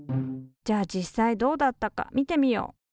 じゃあ実際どうだったか見てみよう。